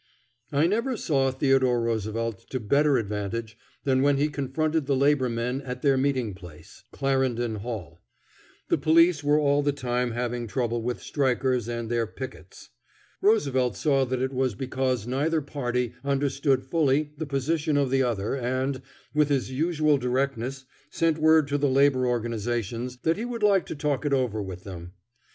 I never saw Theodore Roosevelt to better advantage than when he confronted the labor men at their meeting place, Clarendon Hall. The police were all the time having trouble with strikers and their "pickets." Roosevelt saw that it was because neither party understood fully the position of the other and, with his usual directness, sent word to the labor organizations that he would like to talk it over with them.